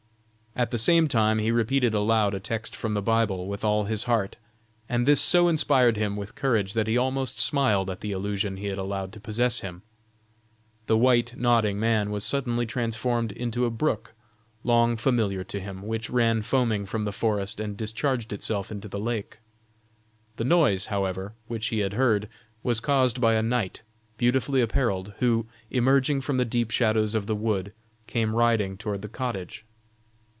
At the same time he repeated aloud a text from the Bible with all his heart, and this so inspired him with courage that he almost smiled at the illusion he had allowed to possess him. The white nodding man was suddenly transformed into a brook long familiar to him, which ran foaming from the forest and discharged itself into the lake. The noise, however, which he had heard, was caused by a knight beautifully apparelled, who, emerging from the deep shadows of the wood, came riding toward the cottage.